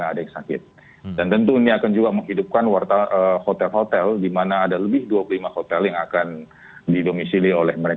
yang akan di domisili oleh mereka dan tentu ini akan juga menghidupkan hotel hotel di mana ada lebih dua puluh lima hotel yang akan di domisili oleh mereka